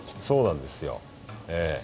そうなんですよええ。